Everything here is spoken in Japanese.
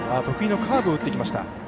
得意のカーブを打っていきました。